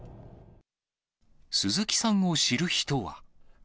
鈴木さんを知る人は。